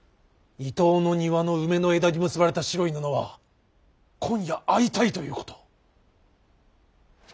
伊東の庭の梅の枝に結ばれた白い布は今夜会いたいということ。